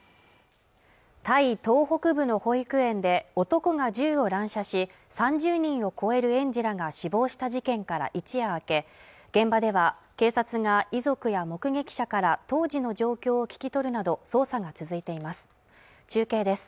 タイ東北部の保育園で男が銃を乱射し３０人を超える園児らが死亡した事件から一夜明け現場では警察が遺族や目撃者から当時の状況を聞き取るなど捜査が続いています中継です